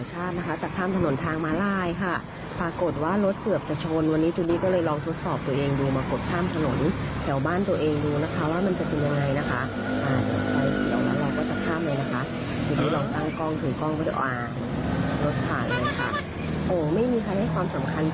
ไหนนะคะเราก็จะข้ามไหนนะคะอยู่นี้ลองตั้งกล้องถึงกล้องไม่ได้ตอบ